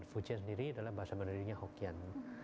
fujian sendiri adalah bahasa mandirnya hokyan